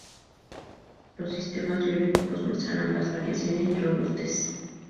Los sistemas biológicos muestran ambas variación y robustez.